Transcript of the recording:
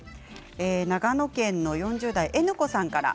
長野県４０代の方から。